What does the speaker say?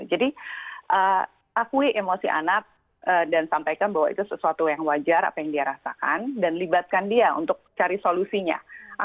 jadi akui emosi anak dan sampaikan bahwa itu sesuatu yang wajar apa yang dia rasakan dan libatkan dia untuk cari solusinya